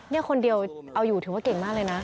นี่คนเดียวเอาอยู่ถือว่าเก่งมากเลยนะ